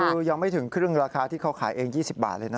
คือยังไม่ถึงครึ่งราคาที่เขาขายเอง๒๐บาทเลยนะ